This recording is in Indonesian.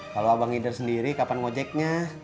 kalau abang idir sendiri kapan ojeknya